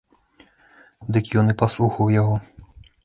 Дык ён і паслухаў яго.